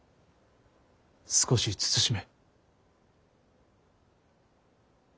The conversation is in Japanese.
少し慎め。